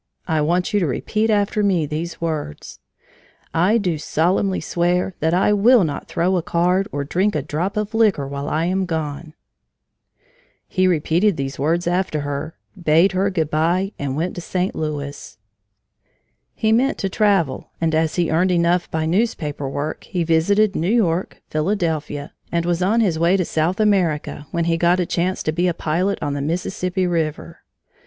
I want you to repeat after me these words 'I do solemnly swear that I will not throw a card or drink a drop of liquor while I am gone!'" He repeated these words after her, bade her good by, and went to St. Louis. He meant to travel, and as he earned enough by newspaper work, he visited New York, Philadelphia, and was on his way to South America when he got a chance to be a pilot on the Mississippi River.